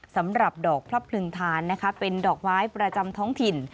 สำหรับดอกพระพรึงทานนะคะเป็นดอกไม้ประจำท้องถิ่น